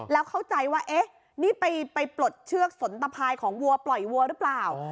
แล้วเข้าใจว่าเอ๊ะนี่ไปปลดเชือกสนตภายของวัวปล่อยวัวหรือเปล่า